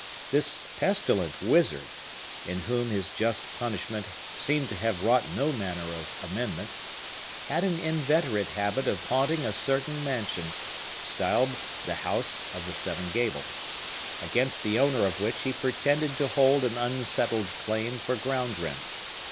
This pestilent wizard (in whom his just punishment seemed to have wrought no manner of amendment) had an inveterate habit of haunting a certain mansion, styled the House of the Seven Gables, against the owner of which he pretended to hold an unsettled claim for ground rent.